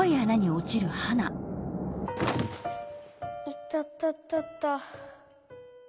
いたたたた。